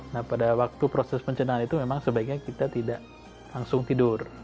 nah pada waktu proses pencernaan itu memang sebaiknya kita tidak langsung tidur